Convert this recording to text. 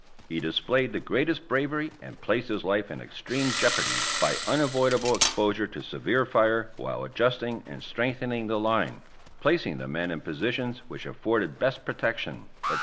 He displayed the greatest bravery and placed his life in extreme jeopardy by unavoidable exposure to severe fire while adjusting and strengthening the line, plac ing the men in positions which afforded best protection, etc.